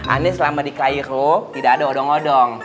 ini selama di khairul tidak ada odong odong